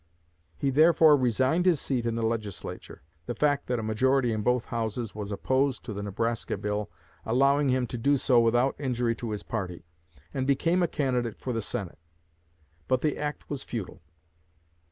He therefore resigned his seat in the Legislature the fact that a majority in both houses was opposed to the Nebraska Bill allowing him to do so without injury to his party and became a candidate for the Senate. But the act was futile.